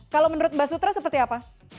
kalau menurut mbak sutra seperti apa